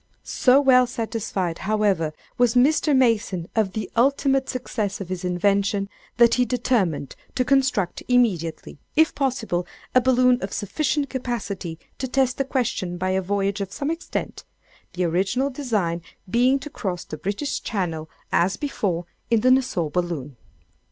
"So well satisfied, however, was Mr. Mason of the ultimate success of his invention, that he determined to construct immediately, if possible, a balloon of sufficient capacity to test the question by a voyage of some extent—the original design being to cross the British Channel, as before, in the Nassau balloon.